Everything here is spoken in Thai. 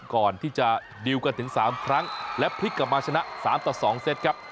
ก่อนที่จะดีลกันถึง๓ครั้งและพลิกกลับมาชนะ๓ต่อ๒เซตครับ